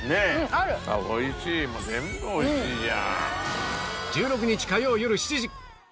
あっおいしいもう全部おいしいじゃん！